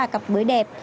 hai ba cặp bưởi đẹp